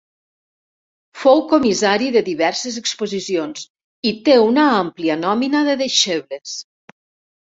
Fou comissari de diverses exposicions i té una àmplia nòmina de deixebles.